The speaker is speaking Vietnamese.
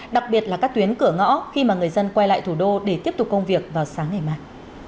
đặc biệt là các tuyến cửa ngõ khi mà người dân quay lại thủ đô để tiếp tục công việc vào sáng ngày mai